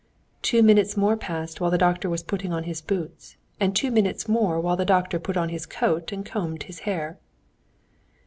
Two minutes more passed while the doctor was putting on his boots, and two minutes more while the doctor put on his coat and combed his hair.